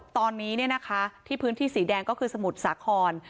ตอนนี้ที่พื้นที่สีแดงก็คือสมุทรสาคร